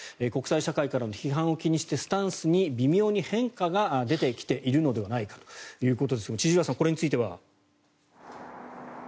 国際社会からの批判を気にしてスタンスに微妙に変化が出てきているのではないかということですが千々岩さん、これについては。